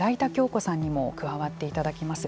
享子さんにも加わっていただきます。